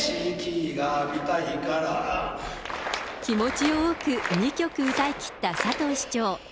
気持ちよく２曲歌いきった佐藤市長。